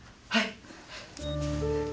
はい。